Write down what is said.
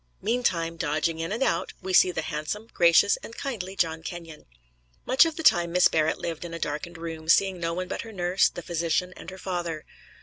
Meantime, dodging in and out, we see the handsome, gracious and kindly John Kenyon. Much of the time Miss Barrett lived in a darkened room, seeing no one but her nurse, the physician and her father.